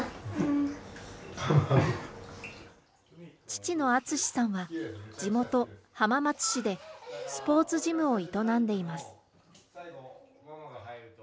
父の篤司さんは、地元、浜松市でスポーツジムを営んでいます。